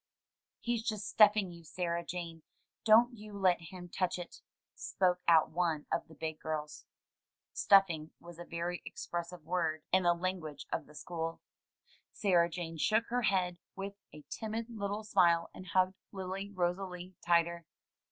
''He's just stuffing you, Sarah Jane; don't you let him touch it," spoke out one of the big girls. "Stuffing" was a very expressive word in the language of 91 MY BOOK HOUSE the school. Sarah Jane shook her head with a timid little smile, and hugged Lily Rosalie tighter.